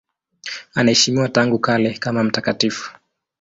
Anaheshimiwa tangu kale kama mtakatifu.